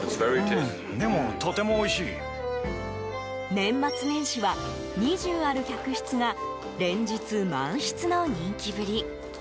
年末年始は、２０ある客室が連日満室の人気ぶり。